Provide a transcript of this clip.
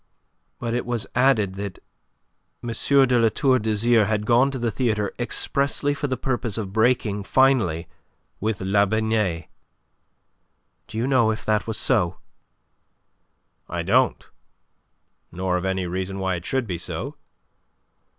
"But it was added that M. de La Tour d'Azyr had gone to the theatre expressly for the purpose of breaking finally with La Binet. Do you know if that was so?" "I don't; nor of any reason why it should be so.